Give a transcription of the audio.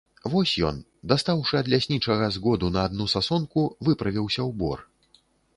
Вось ён, дастаўшы ад ляснічага згоду на адну сасонку, выправіўся ў бор.